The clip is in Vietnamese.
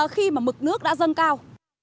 khi mà mực nước đã dâng cao